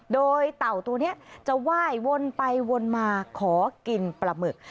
โดยเต่าตัวนี้จะไหว้วนไปวนมาขอกินปลาหมึก